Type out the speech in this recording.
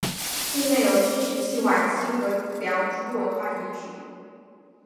境内有新石器晚期和良渚文化遗址。